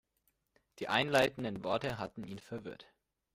Die einleitenden Worte hatten ihn verwirrt.